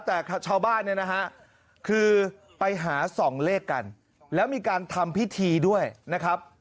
แต่ชาวบ้านเนี่ยนะฮะคือไปหาส่องเลขกันแล้วมีการทำพิธีด้วยนะครับ